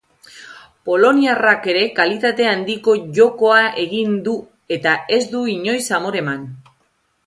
Poloniarrak ere kalitate handiko jokoa egin du eta ez du inoiz amore eman.